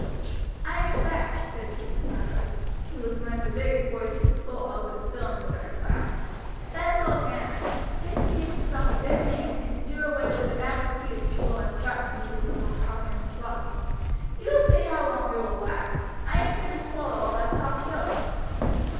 "I expect," said James Mather, who was one of the biggest boys in the school though still in the third class, "that it's all gammon, just to give himself a good name, and to do away with the bad repute the school has got into for Hathorn's flogging. You will see how long it will last! I ain't going to swallow all that soft soap."